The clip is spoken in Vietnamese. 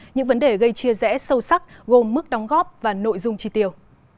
những vấn đề gây chia rẽ sâu sắc gồm mức đóng góp và nội dung chi tiêu